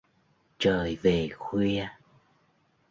Trời về khuya